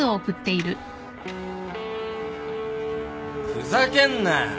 ・ふざけんな！